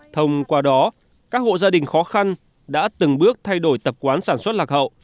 thông qua đó các hộ gia đình khó khăn đã từng bước thay đổi tập quán sản xuất lạc hậu